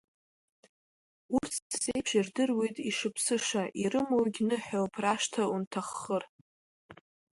Урҭ, са сеиԥш, ирдыруеит ишыԥсыша, ирымоугь ныҳәоуп, рашҭа унҭаххыр.